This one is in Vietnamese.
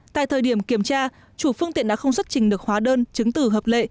tại thời điểm kiểm tra chủ phương tiện đã không xuất trình được hóa đơn chứng tử hợp lệ